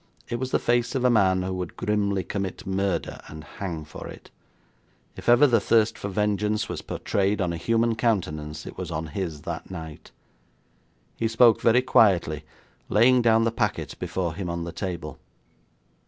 It was the face of a man who would grimly commit murder and hang for it. If ever the thirst for vengeance was portrayed on a human countenance, it was on his that night. He spoke very quietly, laying down the packet before him on the table.